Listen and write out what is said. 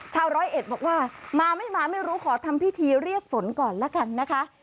ร้อยเอ็ดบอกว่ามาไม่มาไม่รู้ขอทำพิธีเรียกฝนก่อนละกันนะคะ